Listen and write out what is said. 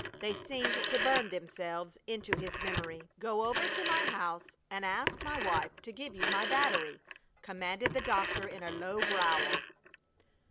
They seemed to burn themselves into his memory. "Go over to my house and ask my wife to give you my battery!" commanded the doctor in a low growl.